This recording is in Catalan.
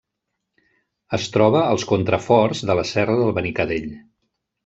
Es troba als contraforts de la serra del Benicadell.